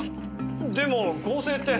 でも合成って。